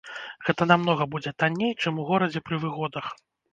Гэта намнога будзе танней, чым у горадзе пры выгодах.